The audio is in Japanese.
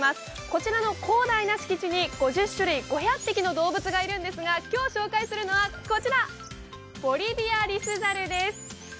こちらの広大な敷地に５０種類、５００匹の動物がいるんですが、今日、紹介するのはこちらボリビアリスザルです。